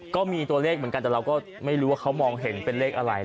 ก็มีตัวเลขเหมือนกันแต่เราก็ไม่รู้ว่าเขามองเห็นเป็นเลขอะไร